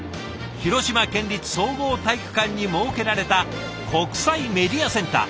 広島県立総合体育館に設けられた国際メディアセンター。